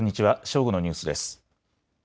正午のニュースです。